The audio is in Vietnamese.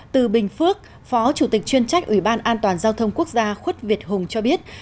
từ bình phước phó chủ tịch chuyên trách ủy ban an toàn giao thông quốc gia khuất việt hùng cho biết